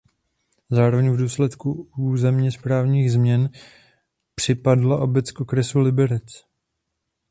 Zároveň v důsledku územně správních změn připadla obec k okresu Liberec.